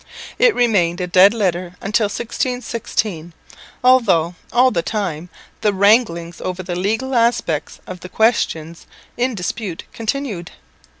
It remained a dead letter until 1616, although all the time the wranglings over the legal aspects of the questions in dispute continued.